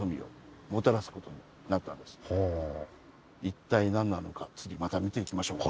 一体何なのか次また見ていきましょう。